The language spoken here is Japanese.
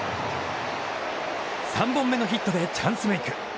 ３本目のヒットでチャンスメーク。